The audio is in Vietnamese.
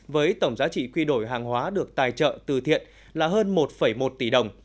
với tổng giá trị quy đổi hàng hóa được tài trợ từ thiện là hơn một một tỷ đồng